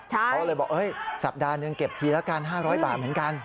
เขาก็เลยบอกสัปดาห์หนึ่งเก็บทีละกัน๕๐๐บาทเหมือนกัน